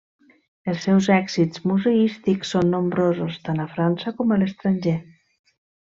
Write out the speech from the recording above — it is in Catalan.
Els seus èxits museístics són nombrosos, tant a França com a l'estranger.